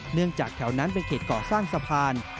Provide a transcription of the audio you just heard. จากแถวนั้นเป็นเขตก่อสร้างสะพาน